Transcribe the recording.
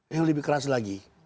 yang lebih keras lagi